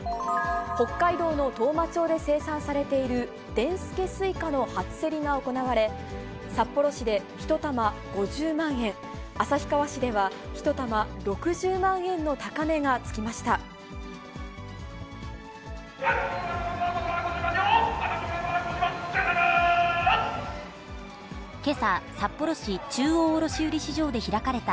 北海道の当麻町で生産されているでんすけすいかの初競りが行われ、札幌市で１玉５０万円、旭川市では１玉６０万円の高値がつきました。